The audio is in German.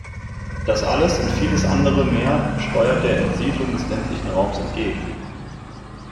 Das alles und vieles andere mehr steuert der Entsiedlung des ländlichen Raums entgegen.